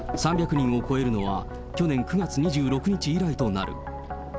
３００人を超えるのは去年９月２６日以来となる。